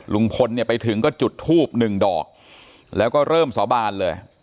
ลุงพลเนี่ยไปถึงก็จุดทูบหนึ่งดอกแล้วก็เริ่มสาบานเลย